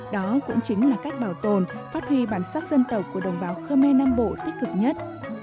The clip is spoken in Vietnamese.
đó cũng chính là cách bảo tồn phát huy bản sắc dân tộc của đồng bào khơ me nam bộ tích cực nhất